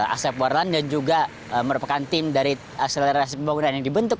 asep warlan yang juga merupakan tim dari akselerasi pembangunan yang dibentuk